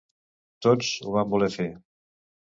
Tots ho vam voler fer.